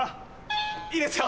いいですよ。